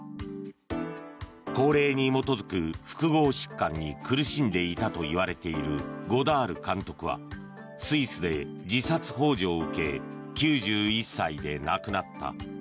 高齢に基づく複合疾患に苦しんでいたといわれているゴダール監督はスイスで自殺ほう助を受け９１歳で亡くなった。